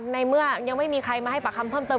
ในเมื่อยังไม่มีใครมาให้ปากคำเพิ่มเติม